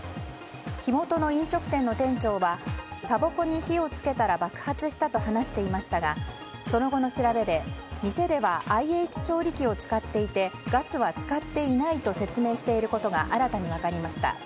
火元の飲食店の店長はたばこに火を付けたら爆発したと話していましたがその後の調べで店ではＩＨ調理器を使っていてガスは使っていないと説明していることが新たに分かりました。